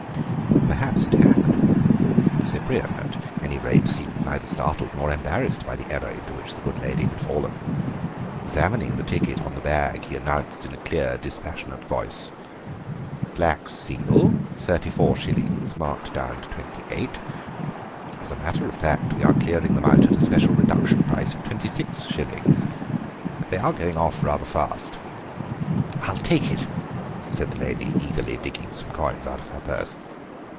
Perhaps it had. Cyprian, at any rate, seemed neither startled nor embarrassed by the error into which the good lady had fallen. Examining the ticket on the bag, he announced in a clear, dispassionate voice: "Black seal, thirty four shillings, marked down to twenty eight. As a matter of fact, we are clearing them out at a special reduction price of twenty six shillings. They are going off rather fast." "I'll take it," said the lady, eagerly digging some coins out of her purse.